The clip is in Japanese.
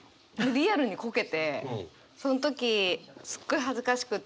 リアルにこけてその時すっごい恥ずかしくって。